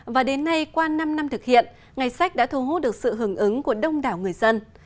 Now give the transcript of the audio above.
và đến nay qua năm năm thực hiện ngày sách đã thu hút được sự hưởng ứng của đông đảo người dân